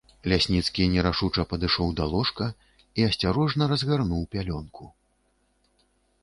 Лясніцкі нерашуча падышоў да ложка і асцярожна разгарнуў пялёнку.